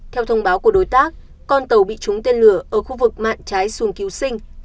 theo thông báo của đối tác con tàu bị trúng tên lửa ở khu vực mạng trái xuồng cứu sinh